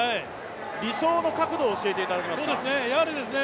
理想の角度を教えていただけますか？